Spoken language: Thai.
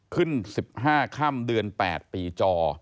ขึ้น๑๕ค่ำเดือน๘ปีจอ